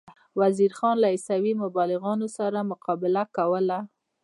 وزیر خان له عیسوي مبلغانو سره مقابله کوله.